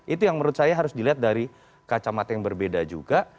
itu yang menurut saya harus dilihat dari kacamata yang berbeda juga